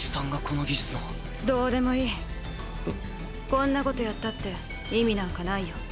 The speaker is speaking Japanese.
こんなことやったって意味なんかないよ。